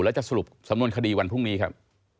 แล้วจะสรุปสำนวนคดีวันพรุ่งนี้ครับ